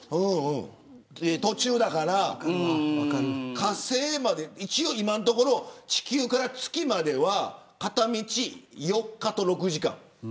火星まで一応今のところ地球から月までは片道４日と６時間。